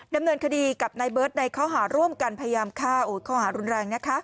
ดำเนินคดีกับนายเบิร์ตในข้อหาร่วมกันพยายามฆ่าข้อหารุนแรงนะคะ